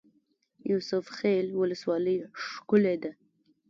یوسف خیل ولسوالۍ ښکلې ده؟